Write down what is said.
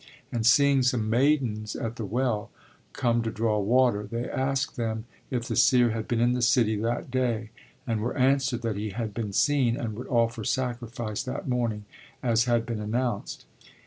And seeing some maidens at the well, come to draw water, they asked them if the seer had been in the city that day, and were answered that he had been seen and would offer sacrifice that morning, as had been announced.